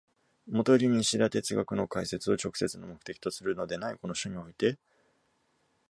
もとより西田哲学の解説を直接の目的とするのでないこの書において、